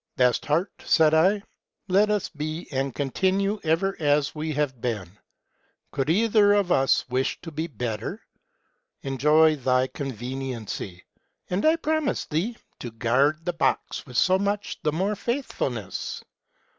' Best heart,' said I, ' let us be and continue ever as we have been. Could either of us wish to be better? Enjoy thy conveniency, and I promise thee to guard the box with so much the more faithfulness.